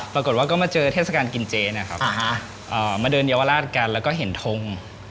ปรากฏว่าก็มาเจอเทศกาลกินเจนะครับมาเดินเยาวราชกันแล้วก็เห็นทง